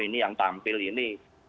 ini yang tampil ini